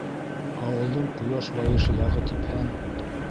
Ауылдың ҡояш байышы яғы типһән.